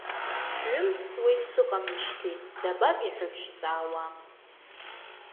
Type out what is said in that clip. Ҩымз ҵуеит сыҟамижьҭеи, дабагеи ҳәагьы шәҵаауам!